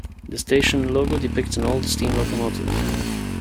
The station logo depicts an old steam locomotive.